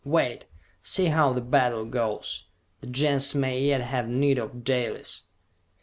Wait, see how the battle goes! The Gens may yet have need of Dalis!"